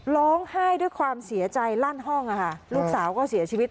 ร้องไห้ด้วยความเสียใจลั่นห้องลูกสาวก็เสียชีวิต